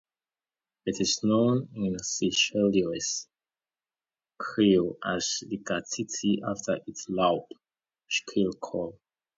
It is known in Seychellois Creole as the katiti after its loud, shrill call.